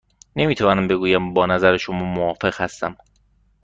نمی توانم بگویم با نظر شما موافق هستم.